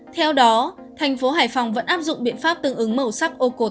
theo đó tp hải phòng vẫn áp dụng biện pháp tương ứng màu sắc ô cột